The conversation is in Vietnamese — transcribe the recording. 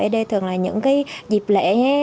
ế đê thường là những cái dịp lễ